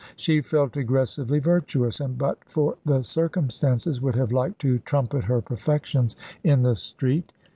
She felt aggressively virtuous, and but for the circumstances would have liked to trumpet her perfections in the street.